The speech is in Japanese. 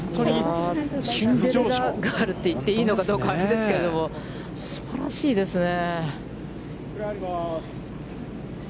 シンデレラガールと言っていいのかあれですけど、すばらしいですね。